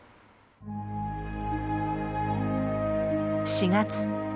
４月。